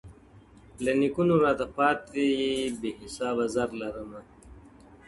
• له نیکونو راته پاته بې حسابه زر لرمه,